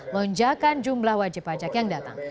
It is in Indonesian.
lonjakan jumlah wajib pajak yang datang